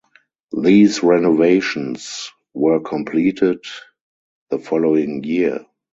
These renovations were completed the following year.